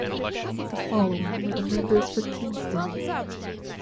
The following were the members for Kingston.